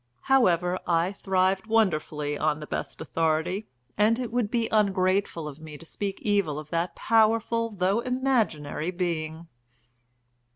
However, I thrived wonderfully on the best authority, and it would be ungrateful of me to speak evil of that powerful though imaginary being.